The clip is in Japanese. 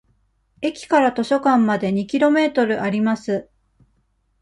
駅から図書館まで二キロメートルあります。